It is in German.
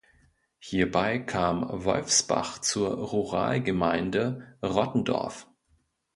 Hierbei kam Wolfsbach zur Ruralgemeinde Rottendorf.